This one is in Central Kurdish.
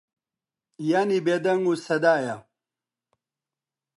یانی بێدەنگ و سەدایە